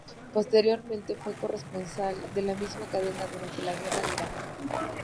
Posteriormente fue corresponsal de la misma cadena durante la Guerra de Irak.